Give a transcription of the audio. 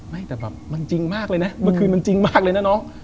ไม่แต่แบบมันจริงมากเลยนะเมื่อคืนมันจริงมากเลยนะน้อง